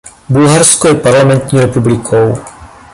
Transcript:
Bulharsko je parlamentní republikou.